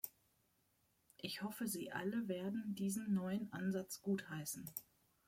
Ich hoffe, Sie alle werden diesen neuen Ansatz gutheißen.